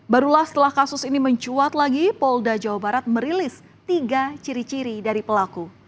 barulah setelah kasus ini mencuat lagi polda jawa barat merilis tiga ciri ciri dari pelaku